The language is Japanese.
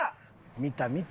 見た見た！